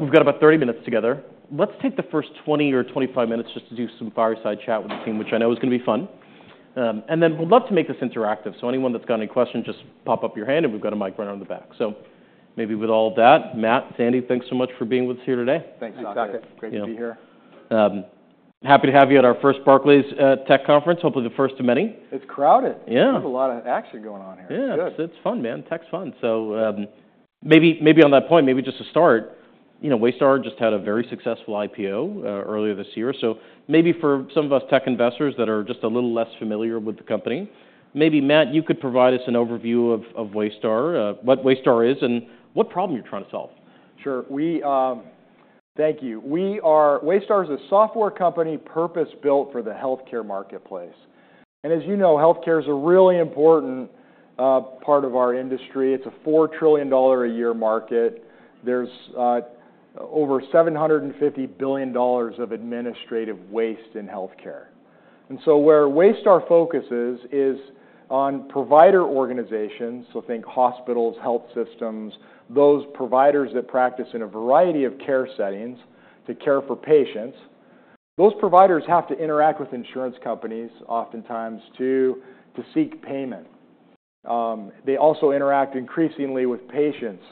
We've got about 30 minutes together. Let's take the first 20 or 25 minutes just to do some fireside chat with the team, which I know is going to be fun. And then we'd love to make this interactive, so anyone that's got any questions, just pop up your hand, and we've got a mic right on the back. So maybe with all of that, Matt, Sandy, thanks so much for being with us here today. Thanks, Saket. Great to be here. Happy to have you at our first Barclays Tech Conference, hopefully the first of many. It's crowded. Yeah. There's a lot of action going on here. Yeah, it's fun, man. Tech's fun. So maybe on that point, maybe just to start, Waystar just had a very successful IPO earlier this year. So maybe for some of us tech investors that are just a little less familiar with the company, maybe Matt, you could provide us an overview of Waystar, what Waystar is, and what problem you're trying to solve. Sure. Thank you. Waystar is a software company purpose-built for the healthcare marketplace. And as you know, healthcare is a really important part of our industry. It's a $4 trillion a year market. There's over $750 billion of administrative waste in healthcare. And so where Waystar focuses is on provider organizations, so think hospitals, health systems, those providers that practice in a variety of care settings to care for patients. Those providers have to interact with insurance companies oftentimes to seek payment. They also interact increasingly with patients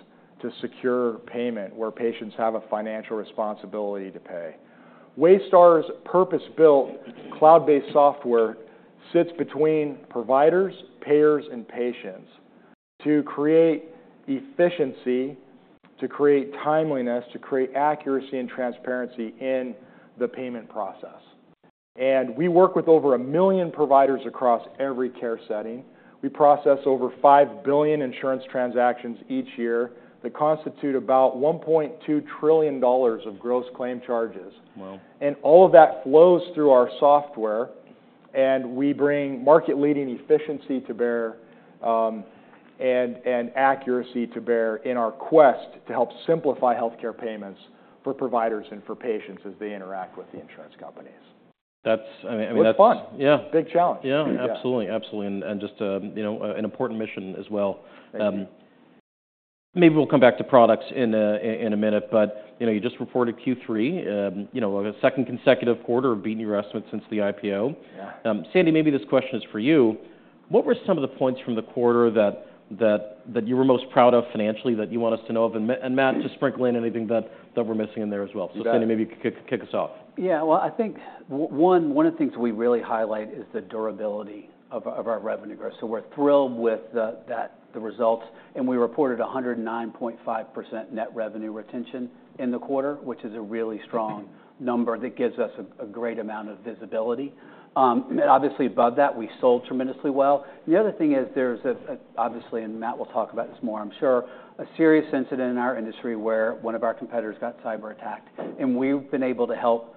to secure payment, where patients have a financial responsibility to pay. Waystar's purpose-built cloud-based software sits between providers, payers, and patients to create efficiency, to create timeliness, to create accuracy and transparency in the payment process. And we work with over a million providers across every care setting. We process over $5 billion insurance transactions each year that constitute about $1.2 trillion of gross claim charges, and all of that flows through our software, and we bring market-leading efficiency to bear and accuracy to bear in our quest to help simplify healthcare payments for providers and for patients as they interact with the insurance companies. That's fun. It's a big challenge. Yeah, absolutely. Absolutely. And just an important mission as well. Maybe we'll come back to products in a minute, but you just reported Q3, a second consecutive quarter of beating your estimates since the IPO. Sandy, maybe this question is for you. What were some of the points from the quarter that you were most proud of financially that you want us to know of? And Matt, just sprinkle in anything that we're missing in there as well. So Sandy, maybe you could kick us off. Yeah. Well, I think one of the things we really highlight is the durability of our revenue growth. So we're thrilled with the results, and we reported 109.5% net revenue retention in the quarter, which is a really strong number that gives us a great amount of visibility. Obviously, above that, we sold tremendously well. The other thing is there's obviously, and Matt will talk about this more, I'm sure, a serious incident in our industry where one of our competitors got cyber attacked, and we've been able to help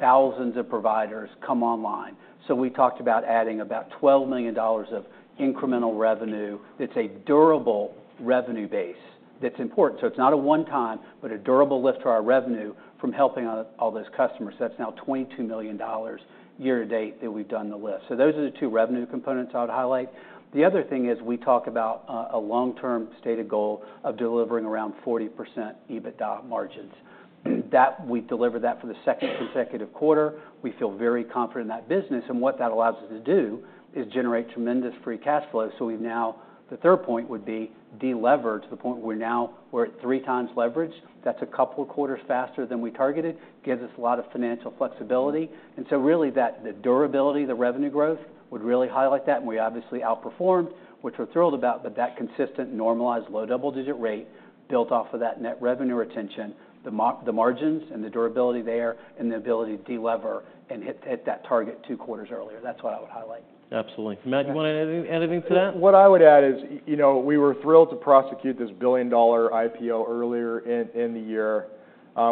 thousands of providers come online. So we talked about adding about $12 million of incremental revenue. It's a durable revenue base that's important. So it's not a one-time, but a durable lift to our revenue from helping all those customers. That's now $22 million year to date that we've done the lift. So those are the two revenue components I would highlight. The other thing is we talk about a long-term stated goal of delivering around 40% EBITDA margins. We delivered that for the second consecutive quarter. We feel very confident in that business, and what that allows us to do is generate tremendous free cash flow. So we've now, the third point would be deleverage to the point where we're now at three times leverage. That's a couple of quarters faster than we targeted, gives us a lot of financial flexibility. And so really that the durability, the revenue growth would really highlight that, and we obviously outperformed, which we're thrilled about, but that consistent normalized low double-digit rate built off of that net revenue retention, the margins and the durability there, and the ability to delever and hit that target two quarters earlier. That's what I would highlight. Absolutely. Matt, do you want to add anything to that? What I would add is we were thrilled to prosecute this $1 billion IPO earlier in the year.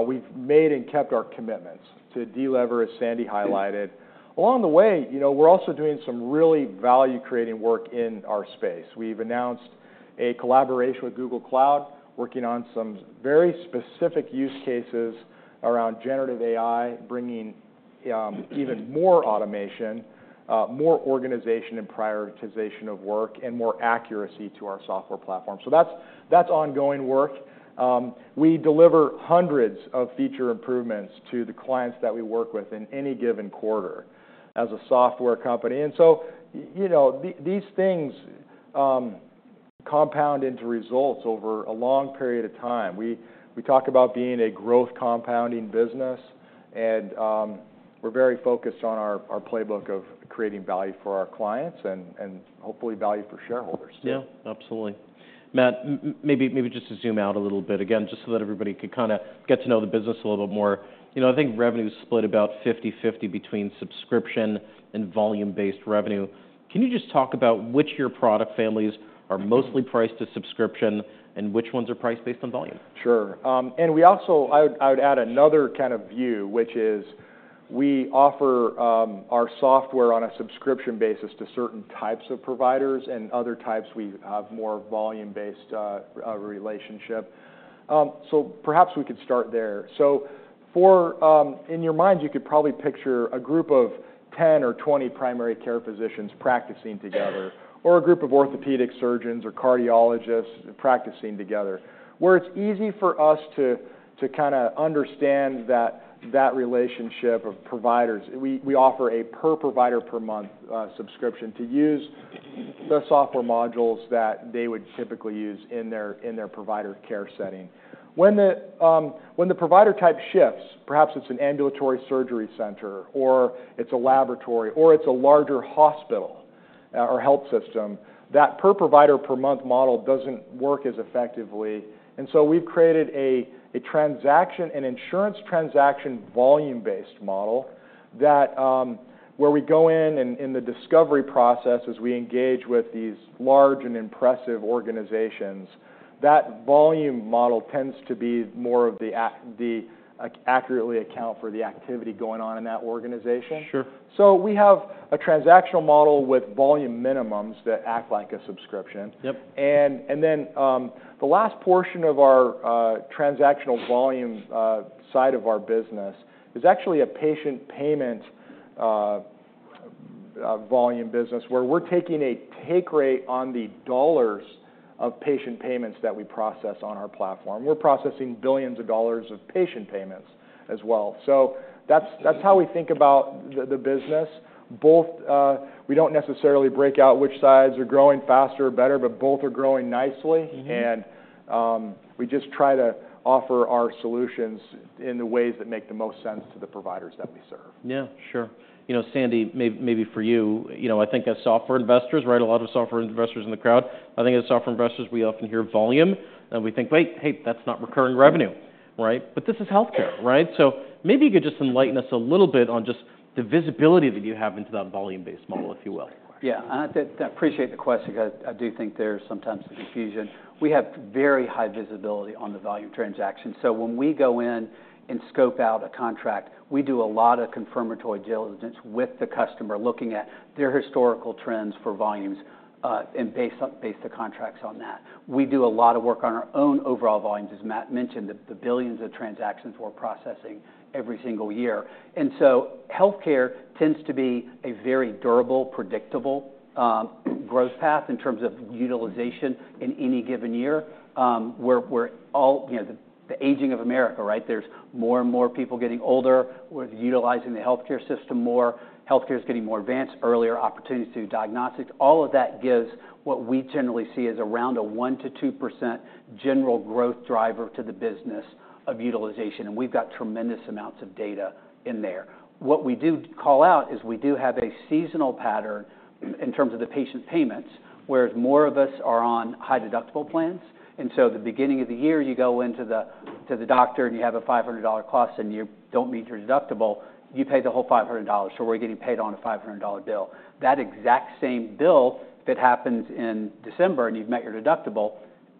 We've made and kept our commitments to delever, as Sandy highlighted. Along the way, we're also doing some really value-creating work in our space. We've announced a collaboration with Google Cloud, working on some very specific use cases around generative AI, bringing even more automation, more organization and prioritization of work, and more accuracy to our software platform. So that's ongoing work. We deliver hundreds of feature improvements to the clients that we work with in any given quarter as a software company, and so these things compound into results over a long period of time. We talk about being a growth compounding business, and we're very focused on our playbook of creating value for our clients and hopefully value for shareholders too. Yeah, absolutely. Matt, maybe just to zoom out a little bit again, just so that everybody could kind of get to know the business a little bit more. I think revenue is split about 50/50 between subscription and volume-based revenue. Can you just talk about which of your product families are mostly priced to subscription and which ones are priced based on volume? Sure. And I would add another kind of view, which is we offer our software on a subscription basis to certain types of providers, and other types we have more volume-based relationship. So perhaps we could start there. So in your mind, you could probably picture a group of 10 or 20 primary care physicians practicing together, or a group of orthopedic surgeons or cardiologists practicing together, where it's easy for us to kind of understand that relationship of providers. We offer a per-provider-per-month subscription to use the software modules that they would typically use in their provider care setting. When the provider type shifts, perhaps it's an ambulatory surgery center, or it's a laboratory, or it's a larger hospital or health system, that per-provider-per-month model doesn't work as effectively. And so we've created a transactional, an insurance transaction volume-based model where we go in, and in the discovery process, as we engage with these large and impressive organizations, that volume model tends to more accurately account for the activity going on in that organization. So we have a transactional model with volume minimums that act like a subscription. And then the last portion of our transactional volume side of our business is actually a patient payment volume business where we're taking a take rate on the dollars of patient payments that we process on our platform. We're processing billions of dollars of patient payments as well. So that's how we think about the business. We don't necessarily break out which sides are growing faster or better, but both are growing nicely, and we just try to offer our solutions in the ways that make the most sense to the providers that we serve. Yeah, sure. Sandy, maybe for you, I think as software investors, right, a lot of software investors in the crowd, I think as software investors, we often hear volume, and we think, "Wait, hey, that's not recurring revenue." But this is healthcare, right? So maybe you could just enlighten us a little bit on just the visibility that you have into that volume-based model, if you will. Yeah. And I appreciate the question. I do think there's sometimes confusion. We have very high visibility on the volume transactions. So when we go in and scope out a contract, we do a lot of confirmatory diligence with the customer, looking at their historical trends for volumes and base the contracts on that. We do a lot of work on our own overall volumes, as Matt mentioned, the billions of transactions we're processing every single year. And so healthcare tends to be a very durable, predictable growth path in terms of utilization in any given year. We're all aware of the aging of America, right? There's more and more people getting older, utilizing the healthcare system more. Healthcare is getting more advanced, earlier opportunities to do diagnostics. All of that gives what we generally see as around a 1%-2% general growth driver to the business of utilization, and we've got tremendous amounts of data in there. What we do call out is we do have a seasonal pattern in terms of the patient payments, whereas more of us are on high-deductible plans. So at the beginning of the year, you go into the doctor and you have a $500 cost, and you don't meet your deductible, you pay the whole $500. So we're getting paid on a $500 bill. That exact same bill, if it happens in December and you've met your deductible,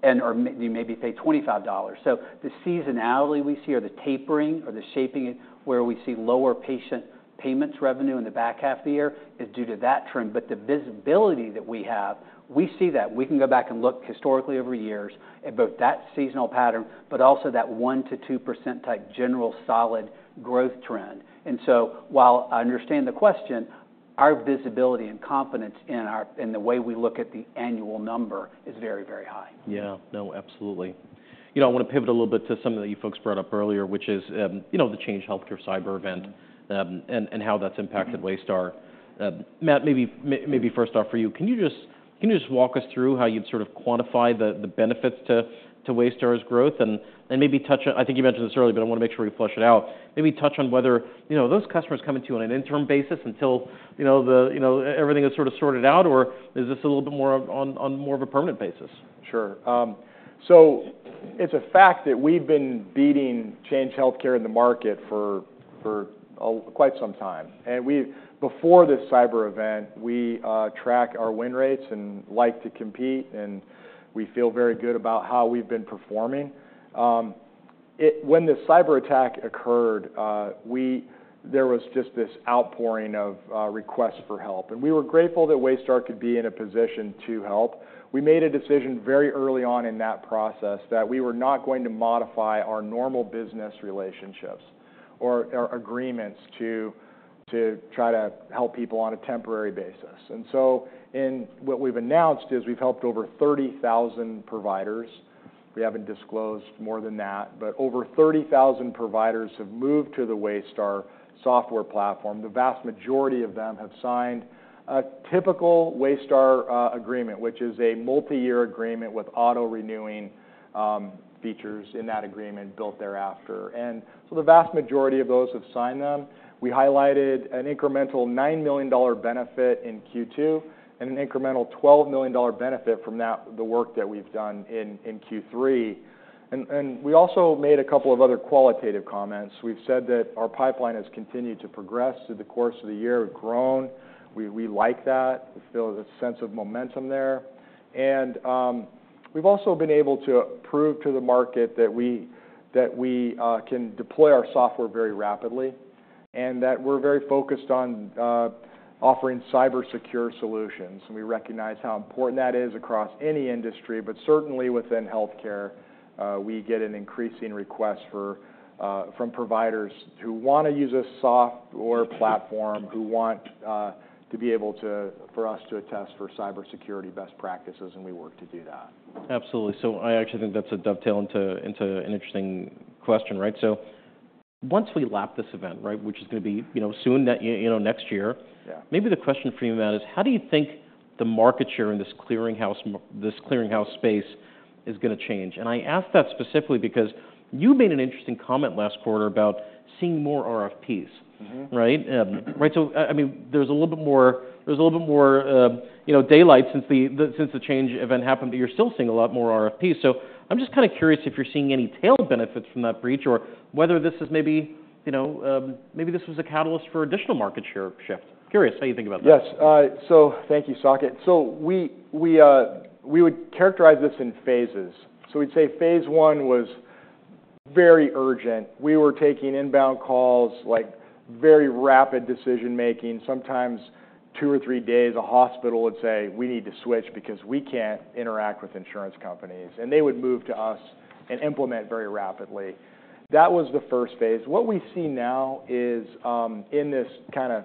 and you maybe pay $25. So the seasonality we see, or the tapering, or the shaping where we see lower patient payments revenue in the back half of the year is due to that trend. But the visibility that we have, we see that we can go back and look historically over years at both that seasonal pattern, but also that 1%-2% type general solid growth trend. And so while I understand the question, our visibility and confidence in the way we look at the annual number is very, very high. Yeah. No, absolutely. I want to pivot a little bit to something that you folks brought up earlier, which is the Change Healthcare cyber event and how that's impacted Waystar. Matt, maybe first off for you, can you just walk us through how you'd sort of quantify the benefits to Waystar's growth and maybe touch on, I think you mentioned this earlier, but I want to make sure we flesh it out, maybe touch on whether those customers come into you on an interim basis until everything is sort of sorted out, or is this a little bit more of a permanent basis? Sure. So it's a fact that we've been beating Change Healthcare in the market for quite some time. And before this cyber event, we track our win rates and like to compete, and we feel very good about how we've been performing. When the cyber attack occurred, there was just this outpouring of requests for help, and we were grateful that Waystar could be in a position to help. We made a decision very early on in that process that we were not going to modify our normal business relationships or agreements to try to help people on a temporary basis. And so what we've announced is we've helped over 30,000 providers. We haven't disclosed more than that, but over 30,000 providers have moved to the Waystar software platform. The vast majority of them have signed a typical Waystar agreement, which is a multi-year agreement with auto-renewing features in that agreement built thereafter. And so the vast majority of those have signed them. We highlighted an incremental $9 million benefit in Q2 and an incremental $12 million benefit from the work that we've done in Q3. And we also made a couple of other qualitative comments. We've said that our pipeline has continued to progress through the course of the year. We've grown. We like that. We feel a sense of momentum there. And we've also been able to prove to the market that we can deploy our software very rapidly and that we're very focused on offering cybersecure solutions. And we recognize how important that is across any industry, but certainly within healthcare. We get an increasing request from providers who want to use a software platform, who want to be able for us to attest for cybersecurity best practices, and we work to do that. Absolutely. So I actually think that's a dovetail into an interesting question, right? So once we lap this event, which is going to be soon, next year, maybe the question for you, Matt, is how do you think the market share in this clearinghouse space is going to change? And I ask that specifically because you made an interesting comment last quarter about seeing more RFPs, right? So I mean, there's a little bit more daylight since the Change event happened, but you're still seeing a lot more RFPs. So I'm just kind of curious if you're seeing any tailwinds from that breach or whether this is maybe this was a catalyst for additional market share shift. Curious how you think about that. Yes. So thank you, Saket. So we would characterize this in phases. So we'd say phase one was very urgent. We were taking inbound calls, like very rapid decision-making, sometimes two or three days. A hospital would say, "We need to switch because we can't interact with insurance companies," and they would move to us and implement very rapidly. That was the first phase. What we see now is in this kind of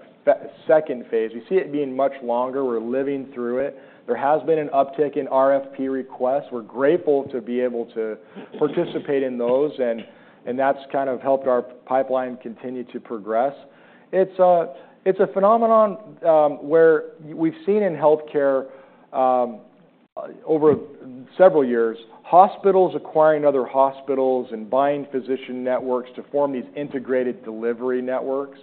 second phase, we see it being much longer. We're living through it. There has been an uptick in RFP requests. We're grateful to be able to participate in those, and that's kind of helped our pipeline continue to progress. It's a phenomenon where we've seen in healthcare over several years, hospitals acquiring other hospitals and buying physician networks to form these integrated delivery networks.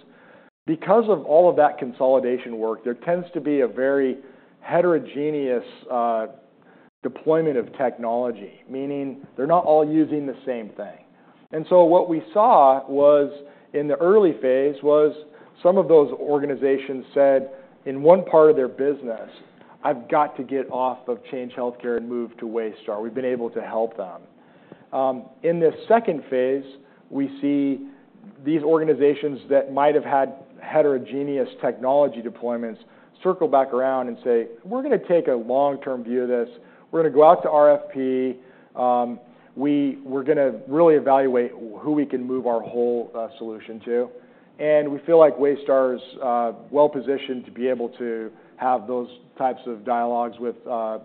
Because of all of that consolidation work, there tends to be a very heterogeneous deployment of technology, meaning they're not all using the same thing. And so what we saw in the early phase was some of those organizations said in one part of their business, "I've got to get off of Change Healthcare and move to Waystar. We've been able to help them." In this second phase, we see these organizations that might have had heterogeneous technology deployments circle back around and say, "We're going to take a long-term view of this. We're going to go out to RFP. We're going to really evaluate who we can move our whole solution to." And we feel like Waystar is well-positioned to be able to have those types of dialogues with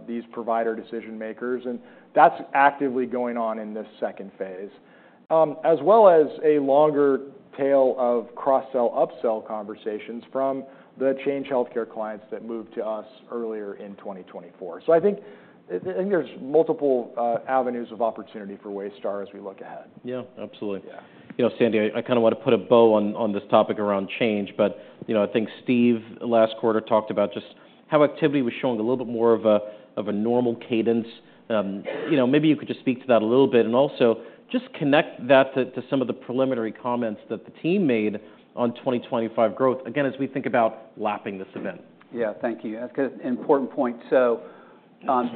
these provider decision-makers. And that's actively going on in this second phase, as well as a longer tail of cross-sell/upsell conversations from the Change Healthcare clients that moved to us earlier in 2024. So I think there's multiple avenues of opportunity for Waystar as we look ahead. Yeah, absolutely. Sandy, I kind of want to put a bow on this topic around change, but I think Steve last quarter talked about just how activity was showing a little bit more of a normal cadence. Maybe you could just speak to that a little bit and also just connect that to some of the preliminary comments that the team made on 2025 growth, again, as we think about lapping this event. Yeah, thank you. That's an important point. So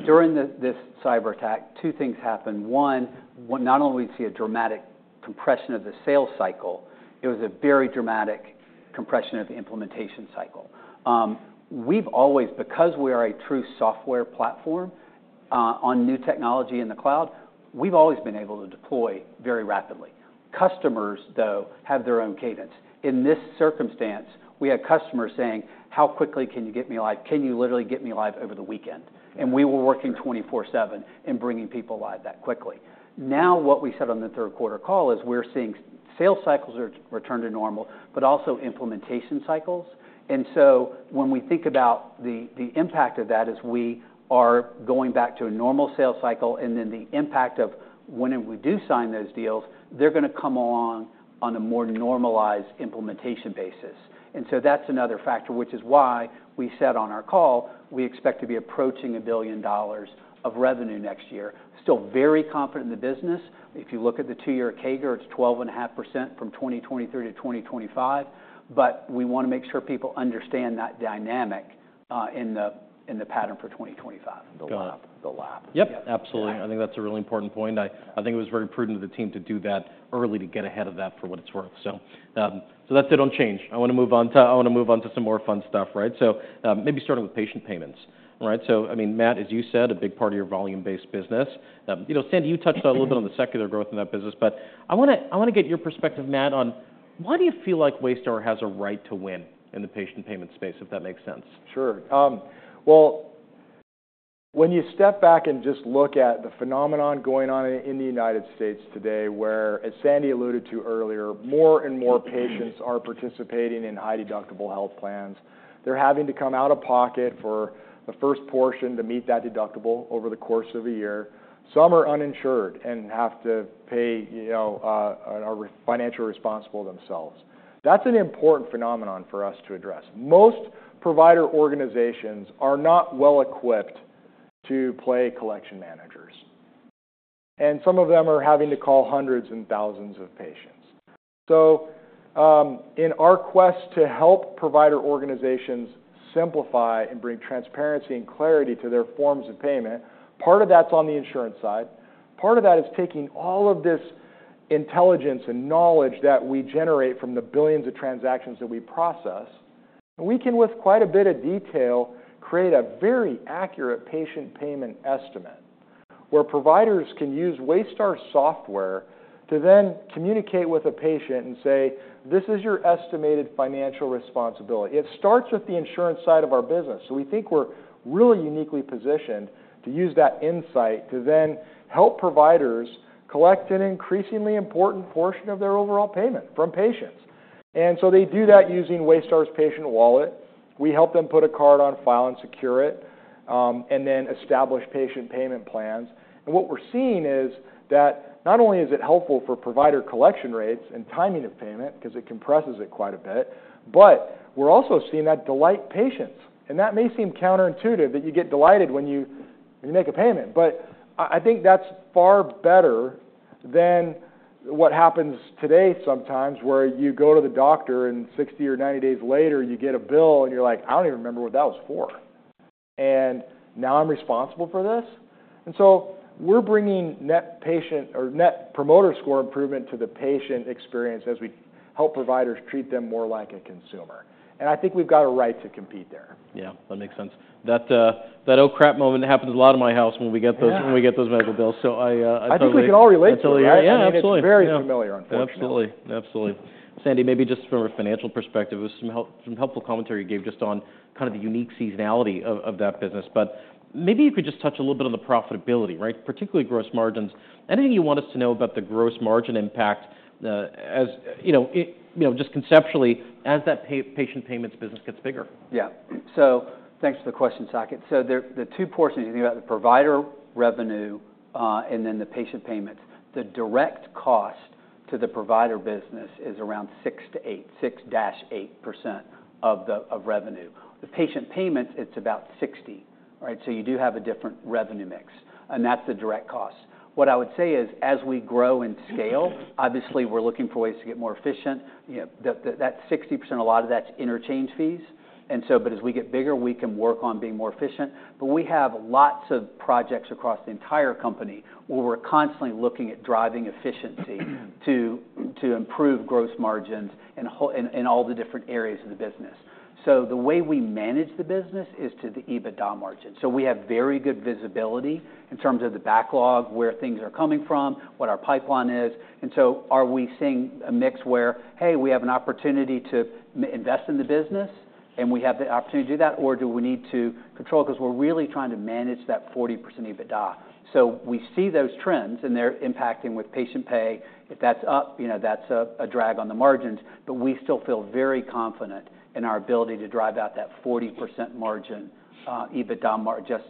during this cyber attack, two things happened. One, not only do we see a dramatic compression of the sales cycle, it was a very dramatic compression of the implementation cycle. Because we are a true software platform on new technology in the cloud, we've always been able to deploy very rapidly. Customers, though, have their own cadence. In this circumstance, we had customers saying, "How quickly can you get me live? Can you literally get me live over the weekend?" And we were working 24/7 and bringing people live that quickly. Now what we said on the third quarter call is we're seeing sales cycles return to normal, but also implementation cycles. And so when we think about the impact of that, it is we are going back to a normal sales cycle, and then the impact of when we do sign those deals, they're going to come along on a more normalized implementation basis. And so that's another factor, which is why we said on our call, we expect to be approaching $1 billion of revenue next year. Still very confident in the business. If you look at the two-year CAGR, it's 12.5% from 2023 to 2025, but we want to make sure people understand that dynamic in the pattern for 2025. The lap. Yep, absolutely. I think that's a really important point. I think it was very prudent of the team to do that early to get ahead of that for what it's worth. So that's it on Change. I want to move on to some more fun stuff, right? So maybe starting with patient payments, right? So I mean, Matt, as you said, a big part of your volume-based business. Sandy, you touched on a little bit on the secular growth in that business, but I want to get your perspective, Matt, on why do you feel like Waystar has a right to win in the patient payment space, if that makes sense? Sure. Well, when you step back and just look at the phenomenon going on in the United States today, where, as Sandy alluded to earlier, more and more patients are participating in high-deductible health plans, they're having to come out of pocket for the first portion to meet that deductible over the course of a year. Some are uninsured and have to be financially responsible themselves. That's an important phenomenon for us to address. Most provider organizations are not well-equipped to play collection managers, and some of them are having to call hundreds and thousands of patients. So in our quest to help provider organizations simplify and bring transparency and clarity to their forms of payment, part of that's on the insurance side. Part of that is taking all of this intelligence and knowledge that we generate from the billions of transactions that we process, and we can, with quite a bit of detail, create a very accurate patient payment estimate where providers can use Waystar software to then communicate with a patient and say, "This is your estimated financial responsibility." It starts with the insurance side of our business. So we think we're really uniquely positioned to use that insight to then help providers collect an increasingly important portion of their overall payment from patients. And so they do that using Waystar's Patient Wallet. We help them put a card on file and secure it and then establish patient payment plans. And what we're seeing is that not only is it helpful for provider collection rates and timing of payment because it compresses it quite a bit, but we're also seeing that delight patients. And that may seem counterintuitive that you get delighted when you make a payment, but I think that's far better than what happens today sometimes where you go to the doctor and 60 or 90 days later you get a bill and you're like, "I don't even remember what that was for. And now I'm responsible for this?" And so we're bringing Net Promoter Score improvement to the patient experience as we help providers treat them more like a consumer. And I think we've got a right to compete there. Yeah, that makes sense. That "Oh crap" moment happens a lot in my house when we get those medical bills. So I totally understand. I think we can all relate to that. Yeah, absolutely. It's very familiar, unfortunately. Absolutely. Absolutely. Sandy, maybe just from a financial perspective, it was some helpful commentary you gave just on kind of the unique seasonality of that business, but maybe you could just touch a little bit on the profitability, right? Particularly gross margins. Anything you want us to know about the gross margin impact just conceptually as that patient payments business gets bigger? Yeah. So thanks for the question, Saket. So the two portions, you think about the provider revenue and then the patient payments. The direct cost to the provider business is around 6-8% of the revenue. The patient payments, it's about 60%, right? So you do have a different revenue mix, and that's the direct cost. What I would say is as we grow in scale, obviously we're looking for ways to get more efficient. That 60%, a lot of that's interchange fees. And so, but as we get bigger, we can work on being more efficient. But we have lots of projects across the entire company where we're constantly looking at driving efficiency to improve gross margins in all the different areas of the business. So the way we manage the business is to the EBITDA margin. So we have very good visibility in terms of the backlog, where things are coming from, what our pipeline is. And so are we seeing a mix where, "Hey, we have an opportunity to invest in the business and we have the opportunity to do that," or do we need to control because we're really trying to manage that 40% EBITDA? So we see those trends and they're impacting with patient pay. If that's up, that's a drag on the margins, but we still feel very confident in our ability to drive out that 40% Adjusted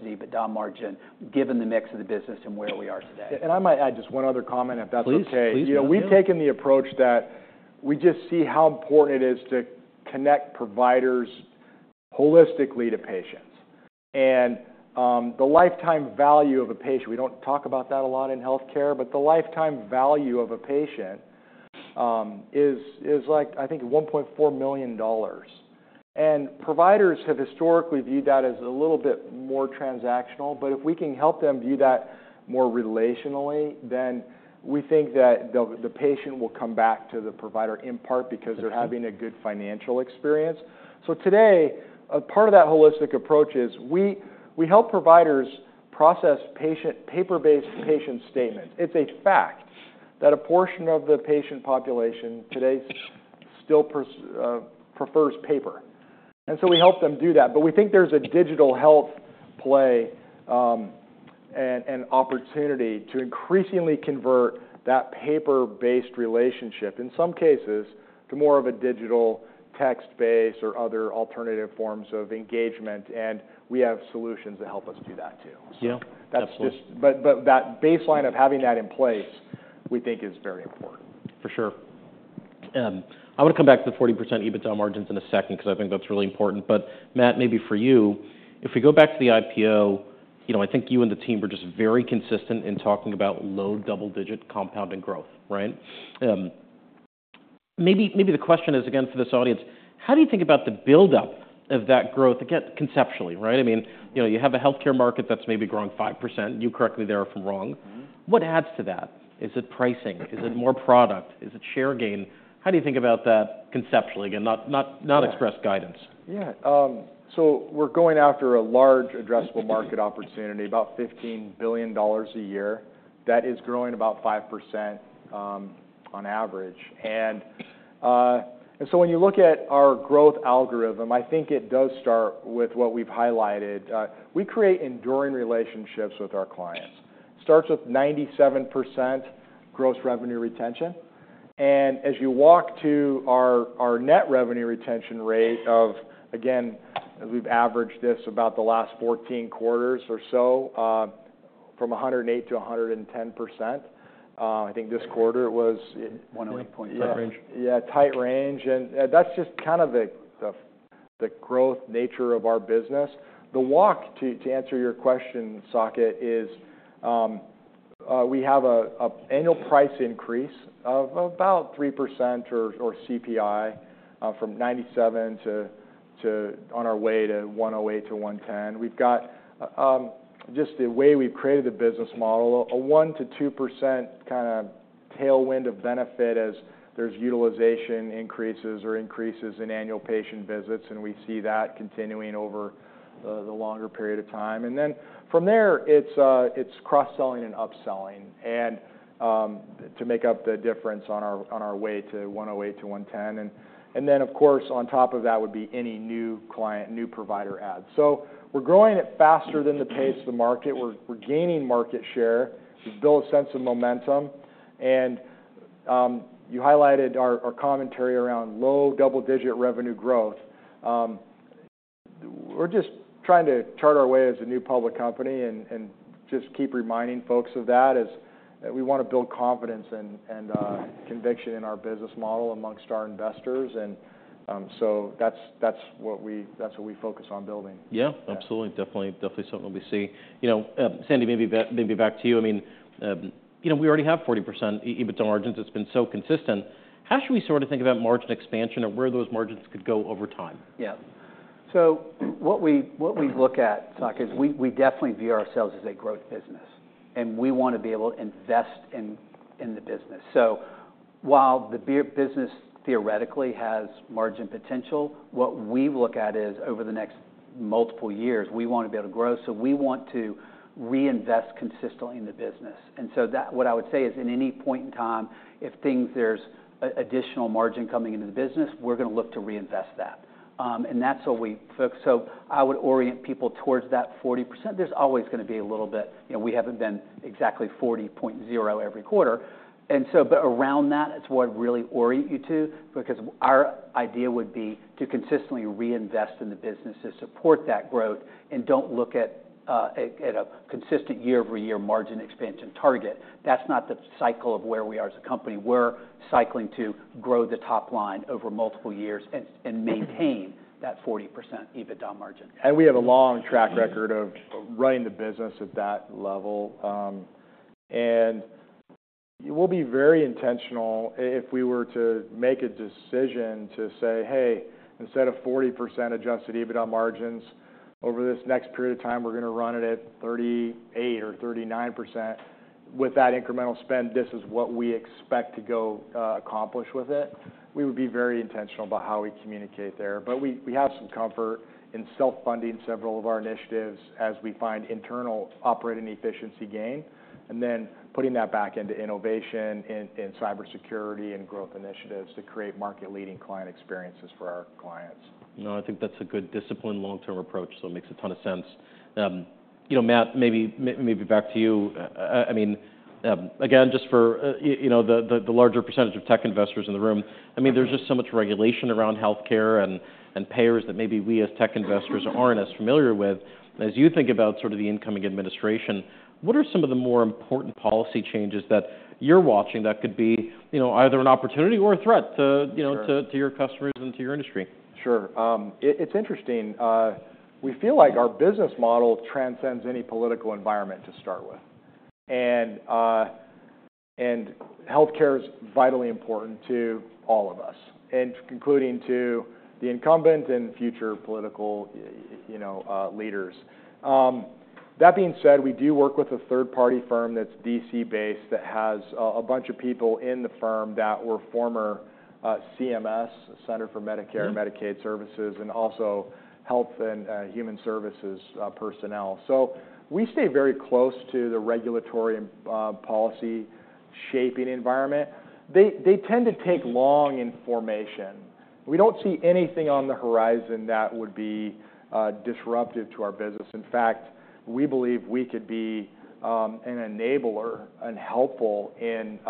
EBITDA margin given the mix of the business and where we are today. I might add just one other comment, if that's okay. Please, please. We've taken the approach that we just see how important it is to connect providers holistically to patients. And the lifetime value of a patient, we don't talk about that a lot in healthcare, but the lifetime value of a patient is like, I think, $1.4 million. And providers have historically viewed that as a little bit more transactional, but if we can help them view that more relationally, then we think that the patient will come back to the provider in part because they're having a good financial experience. So today, part of that holistic approach is we help providers process paper-based patient statements. It's a fact that a portion of the patient population today still prefers paper. And so we help them do that, but we think there's a digital health play and opportunity to increasingly convert that paper-based relationship in some cases to more of a digital text-based or other alternative forms of engagement, and we have solutions that help us do that too. But that baseline of having that in place, we think, is very important. For sure. I want to come back to the 40% EBITDA margins in a second because I think that's really important. But Matt, maybe for you, if we go back to the IPO, I think you and the team were just very consistent in talking about low double-digit compounding growth, right? Maybe the question is, again, for this audience, how do you think about the buildup of that growth, again, conceptually, right? I mean, you have a healthcare market that's maybe growing 5%. You correct me there if I'm wrong. What adds to that? Is it pricing? Is it more product? Is it share gain? How do you think about that conceptually, again, not express guidance? Yeah. So we're going after a large addressable market opportunity, about $15 billion a year. That is growing about 5% on average. And so when you look at our growth algorithm, I think it does start with what we've highlighted. We create enduring relationships with our clients. It starts with 97% gross revenue retention. And as you walk to our net revenue retention rate of, again, as we've averaged this about the last 14 quarters or so, from 108% to 110%. I think this quarter it was. 108 points, tight range. Yeah, tight range. And that's just kind of the growth nature of our business. The walk, to answer your question, Saket, is we have an annual price increase of about 3% or CPI from 97 to on our way to 108-110. We've got, just the way we've created the business model, a 1%-2% kind of tailwind of benefit as there's utilization increases or increases in annual patient visits, and we see that continuing over the longer period of time. And then from there, it's cross-selling and upselling to make up the difference on our way to 108-110. And then, of course, on top of that would be any new client, new provider add. So we're growing at faster than the pace of the market. We're gaining market share. We've built a sense of momentum. And you highlighted our commentary around low double-digit revenue growth. We're just trying to chart our way as a new public company and just keep reminding folks of that as we want to build confidence and conviction in our business model amongst our investors, and so that's what we focus on building. Yeah, absolutely. Definitely something we see. Sandy, maybe back to you. I mean, we already have 40% EBITDA margins. It's been so consistent. How should we sort of think about margin expansion or where those margins could go over time? Yeah. So what we look at, Saket, is we definitely view ourselves as a growth business, and we want to be able to invest in the business. So while the business theoretically has margin potential, what we look at is over the next multiple years, we want to be able to grow. So we want to reinvest consistently in the business. And so what I would say is in any point in time, if there's additional margin coming into the business, we're going to look to reinvest that. And that's what we focus. So I would orient people towards that 40%. There's always going to be a little bit. We haven't been exactly 40.0% every quarter. And so, but around that, it's what I'd really orient you to because our idea would be to consistently reinvest in the business to support that growth and don't look at a consistent year-over-year margin expansion target. That's not the cycle of where we are as a company. We're cycling to grow the top line over multiple years and maintain that 40% EBITDA margin. And we have a long track record of running the business at that level. And we'll be very intentional if we were to make a decision to say, "Hey, instead of 40% Adjusted EBITDA margins over this next period of time, we're going to run it at 38% or 39% with that incremental spend. This is what we expect to go accomplish with it." We would be very intentional about how we communicate there. But we have some comfort in self-funding several of our initiatives as we find internal operating efficiency gain and then putting that back into innovation and cybersecurity and growth initiatives to create market-leading client experiences for our clients. No, I think that's a good disciplined long-term approach. So it makes a ton of sense. Matt, maybe back to you. I mean, again, just for the larger percentage of tech investors in the room, I mean, there's just so much regulation around healthcare and payers that maybe we as tech investors aren't as familiar with. As you think about sort of the incoming administration, what are some of the more important policy changes that you're watching that could be either an opportunity or a threat to your customers and to your industry? Sure. It's interesting. We feel like our business model transcends any political environment to start with. And healthcare is vitally important to all of us, including to the incumbent and future political leaders. That being said, we do work with a third-party firm that's D.C.-based that has a bunch of people in the firm that were former CMS, Centers for Medicare and Medicaid Services, and also Health and Human Services personnel. So we stay very close to the regulatory and policy-shaping environment. They tend to take long in formation. We don't see anything on the horizon that would be disruptive to our business. In fact, we believe we could be an enabler and helpful in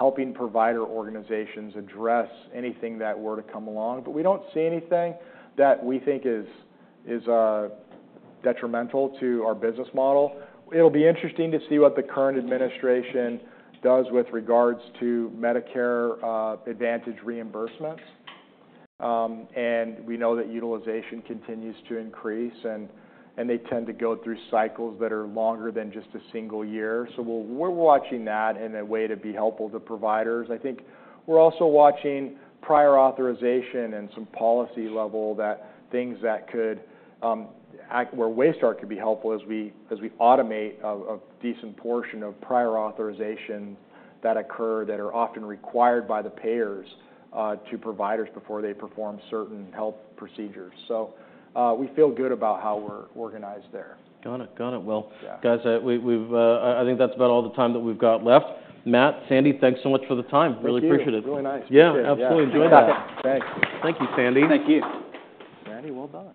helping provider organizations address anything that were to come along, but we don't see anything that we think is detrimental to our business model. It'll be interesting to see what the current administration does with regards to Medicare Advantage reimbursements, and we know that utilization continues to increase, and they tend to go through cycles that are longer than just a single year, so we're watching that in a way to be helpful to providers. I think we're also watching prior authorization and some policy-level things that could where Waystar could be helpful as we automate a decent portion of prior authorizations that occur that are often required by the payers to providers before they perform certain health procedures, so we feel good about how we're organized there. Got it. Got it. Well, guys, I think that's about all the time that we've got left. Matt, Sandy, thanks so much for the time. Really appreciate it. Really nice. Yeah, absolutely. Enjoy that. Thanks. Thank you, Sandy. Thank you. Sandy, well done.